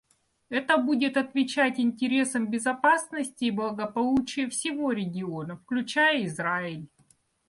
Это будет отвечать интересам безопасности и благополучия всего региона, включая Израиль.